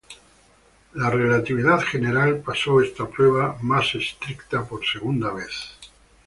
La relatividad general pasó esta prueba más estricta por segunda vez.